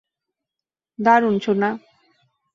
দারুণ, সোনা।